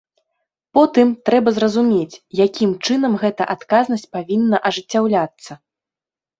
Потым трэба зразумець, якім чынам гэта адказнасць павінна ажыццяўляцца.